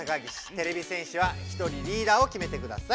てれび戦士は１人リーダーを決めてください。